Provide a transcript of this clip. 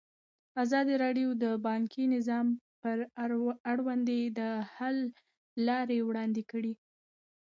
ازادي راډیو د بانکي نظام پر وړاندې د حل لارې وړاندې کړي.